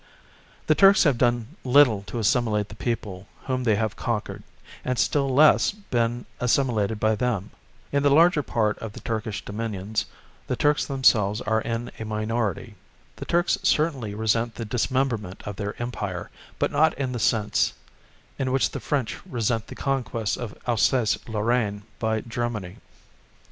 The Turks have done little to assimilate the people whom they have conquered, and still less, been assimilated by them. In the larger part of the Turkish dominions, the Turks themselves are in a minority.... The Turks certainly resent the dismemberment of their Empire, but not in the sense in which the French resent the conquest of Alsace Lorraine by Germany.